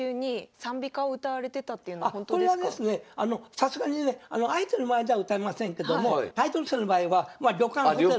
さすがにね相手の前では歌いませんけどもタイトル戦の場合は旅館ホテル。